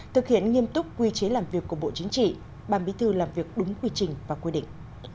thực hiện nghiêm túc quy chế làm việc của bộ chính trị ban bí thư làm việc đúng quy trình và quy định